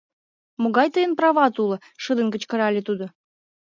Могай тыйын прават уло? — шыдын кычкырале тудо.